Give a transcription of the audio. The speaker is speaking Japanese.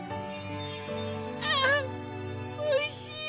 ああおいしい。